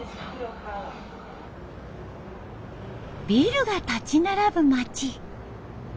ビルが立ち並ぶ町。